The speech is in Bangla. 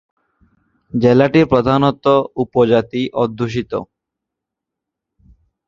জেলাটি প্রধানত উপজাতি অধ্যুষিত।